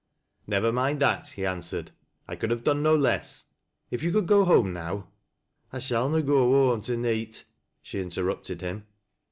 " Never mind that," he answered, " I could have done QO less. If you could go home now "" I shall na go whoam to neet," she interrupted him.